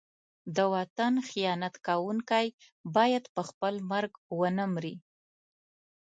د وطن خیانت کوونکی باید په خپل مرګ ونه مري.